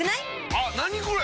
あっ何これ！